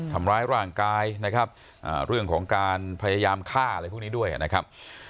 ทำร้ายร่างกายนะครับเรื่องของการพยายามฆ่าอะไรพวกนี้ด้วยนะครับ